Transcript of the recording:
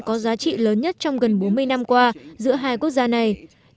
có giá trị lớn nhất trong gần bốn mươi năm qua giữa hai quốc gia này